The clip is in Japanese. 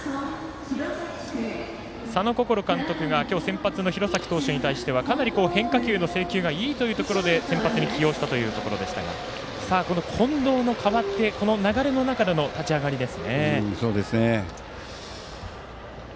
佐野心監督が今日、先発の廣崎投手に関してはかなり変化球の制球がいいというところで先発に起用したというところでしたが近藤に代わってこの流れの中での立ち上がりですね。